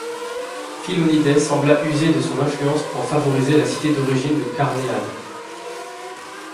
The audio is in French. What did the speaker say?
Philonidès sembla user de son influence pour favoriser la cité d'origine de carnéade.